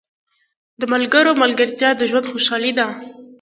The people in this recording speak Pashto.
• د ملګري ملګرتیا د ژوند خوشحالي ده.